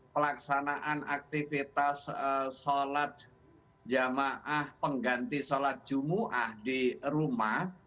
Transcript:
pelaksanaan aktivitas sholat jamaah pengganti sholat jumat di rumah